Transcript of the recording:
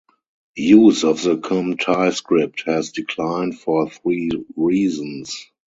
Use of the Khom Thai script has declined for three reasons.